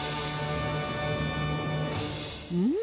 うん。